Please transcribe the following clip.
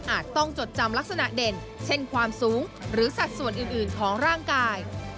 ต้องจดจำลักษณะเด่นเช่นความสูงหรือสัดส่วนอื่นของร่างกาย